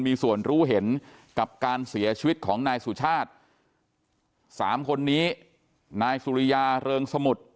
มีส่วนรู้เห็นกับการเสียชีวิตของนายสุชาติสามคนนี้นายสุริยาเริงสมุทร